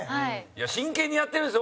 真剣にやってるんですよ